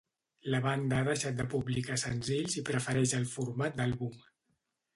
La banda ha deixat de publicar senzills i prefereix el format d'àlbum.